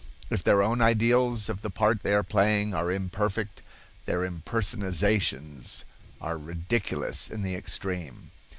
If their own ideals of the part they are playing are imperfect, their impersonations are ridiculous in the extreme.